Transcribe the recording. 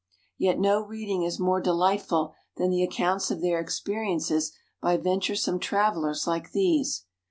Yet no reading is more delightful than the accounts of their experiences by venturesome travelers like these.